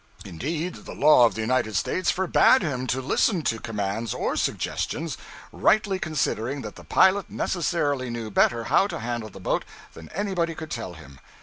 Indeed, the law of the United States forbade him to listen to commands or suggestions, rightly considering that the pilot necessarily knew better how to handle the boat than anybody could tell him.